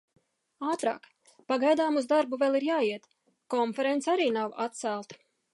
Ātrāk. Pagaidām uz darbu vēl ir jāiet. Konference arī nav atcelta.